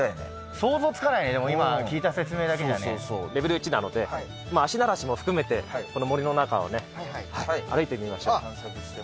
想像つかないね、今聞いた説レベル１なので、足慣らしも含めて、森の中を歩いてみましょう。